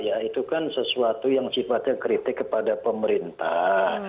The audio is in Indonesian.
ya itu kan sesuatu yang sifatnya kritik kepada pemerintah